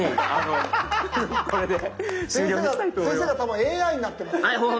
先生が多分ＡＩになってますよ。